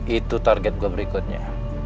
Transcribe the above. itu target gue berikutnya